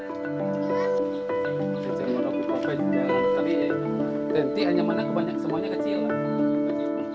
di kawasan bambangkan cianjung desa ciampelas kabupaten bandung barat